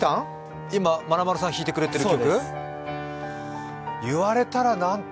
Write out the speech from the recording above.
今、まなまるさんが弾いてくれてる曲？